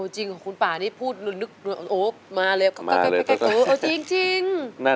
จริงของคุณป๊าเนี่ยพูดละนึกอ๋อมาเลยอ๋อมาเลยจริง